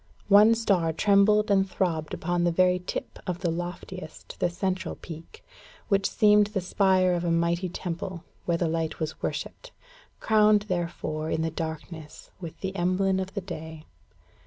One star trembled and throbbed upon the very tip of the loftiest, the central peak, which seemed the spire of a mighty temple where the light was worshipped crowned, therefore, in the darkness, with the emblem of the day.